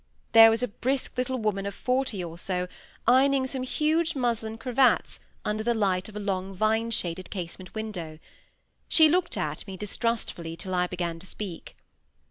There was a brisk little woman of forty or so ironing some huge muslin cravats under the light of a long vine shaded casement window. She looked at me distrustfully till I began to speak.